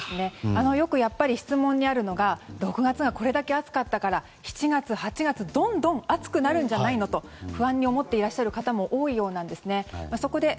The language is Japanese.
よく質問にあるのが６月がこれだけ暑かったから７月、８月どんどん暑くなるんじゃないのと不安に思ってらっしゃる方も多いようなんですね。